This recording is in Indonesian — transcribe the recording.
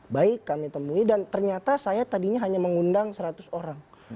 baik kami temui dan ternyata saya tadinya hanya mengundang seratus orang